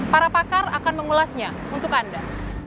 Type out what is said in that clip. para pakar akan mengulasnya untuk anda